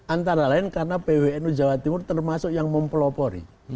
antara lain karena pwnu jawa timur termasuk yang mempelopori